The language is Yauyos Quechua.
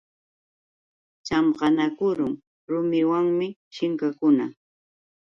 Chamqanakurun rumiwanmi shinkakuna.